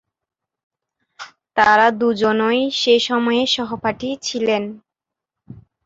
তারা দুজনই সে সময়ে সহপাঠী ছিলেন।